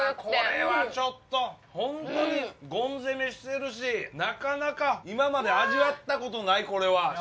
これはちょっとホントにゴン攻めしてるしなかなか今まで味わったことないこれは。